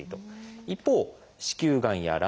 一方子宮がんや卵巣がん。